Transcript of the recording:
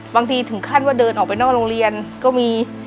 ถึงขั้นว่าเดินออกไปนอกโรงเรียนก็มี